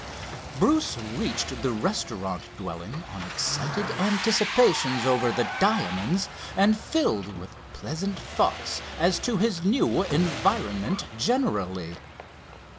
Bruce reached the restaurant dwelling on excited anticipations over the diamonds, and filled with pleasant thoughts as to his new environment generally.